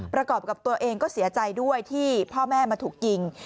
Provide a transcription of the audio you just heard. ประกอบกับตัวเองก็เสียใจด้วยที่พ่อแม่มาถูกยิง